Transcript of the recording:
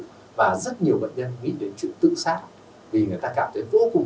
bứt dứt trong người